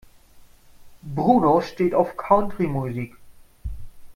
Bruno steht auf Country-Musik.